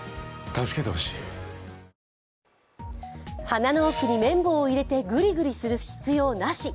鼻の奥に綿棒を入れてグリグリする必要なし。